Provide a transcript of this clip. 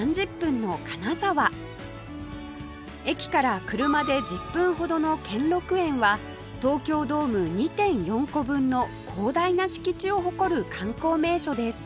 駅から車で１０分ほどの兼六園は東京ドーム ２．４ 個分の広大な敷地を誇る観光名所です